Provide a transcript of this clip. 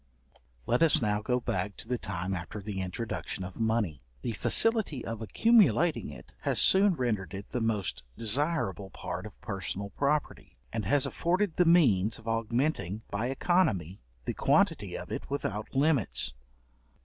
Let us now go back to the time after the introduction of money. The facility of accumulating it has soon rendered it the most desirable part of personal property, and has afforded the means of augmenting, by economy, the quantity of it without limits.